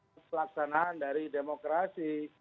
pelaksanaan dari demokrasi